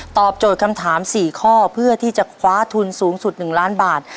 โจทย์คำถาม๔ข้อเพื่อที่จะคว้าทุนสูงสุด๑ล้านบาท